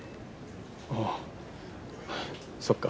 あぁそっか。